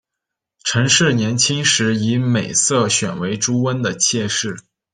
陈氏年轻时以美色选为朱温的妾室。